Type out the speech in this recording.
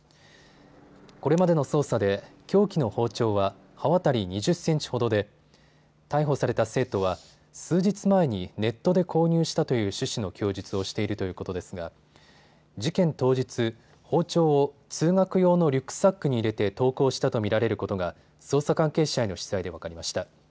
これまでの捜査で凶器の包丁は刃渡り２０センチほどで逮捕された生徒は数日前にネットで購入したという趣旨の供述をしているということですが事件当日、包丁を通学用のリュックサックに入れて登校したと見られることが捜査関係者への取材で分かりました。